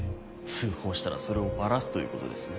通報したらそれをバラすということですね？